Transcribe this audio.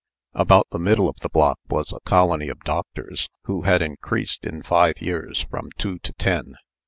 About the middle of the block was a colony of doctors, who had increased, in five years, from two to ten.